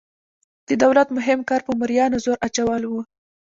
د دولت مهم کار په مرئیانو زور اچول وو.